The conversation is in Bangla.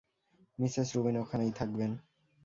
মিসেস রুবিন ওখানেই থাকবেন।